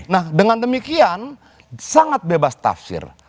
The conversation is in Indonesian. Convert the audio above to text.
nah dengan demikian sangat bebas tafsir